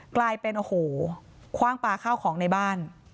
กลายเป็นขว้างปลาข้าวของในบ้าน